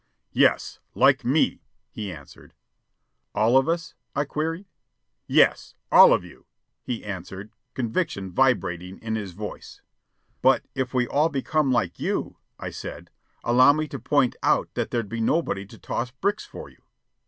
"Yes, like me," he answered. "All of us?" I queried. "Yes, all of you," he answered, conviction vibrating in his voice. "But if we all became like you," I said, "allow me to point out that there'd be nobody to toss bricks for you."